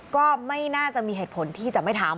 ก็ไม่น่าจะมีเหตุผลที่จะไม่ทำ